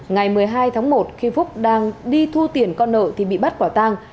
ngày một mươi hai tháng một khi phúc đang đi thu tiền con nợ thì bị bắt quả tang